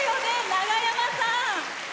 長山さん。